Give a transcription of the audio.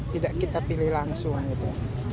tidak kita pilih langsung gitu